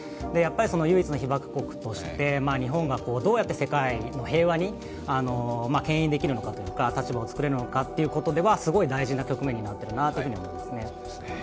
唯一の被爆国として日本がどうやって世界の平和をけん引できるのか、立場を作れるのかということではすごい大事な局面に立っているなと思いますね。